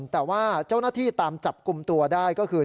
แต่ว่าเจ้าหน้าที่ตามจับกลุ่มตัวได้ก็คือ